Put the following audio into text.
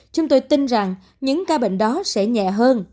chúng tôi tin rằng những ca bệnh đó sẽ nhẹ hơn